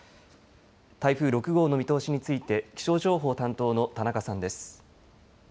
台風６号の見通しについて気象情報担当の田中さんです。